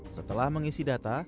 setelah mengisi data